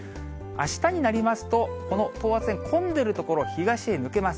あしたになりますと、この等圧線、混んでる所、東へ抜けます。